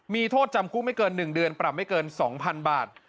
มีโทษจำคุกไม่เกิน๑เดือนปรับไม่เกิน๒๐๐๐บาท